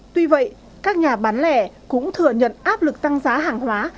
tuy vậy các nhà bán lẻ cũng thừa nhận áp lực tăng giá hàng hóa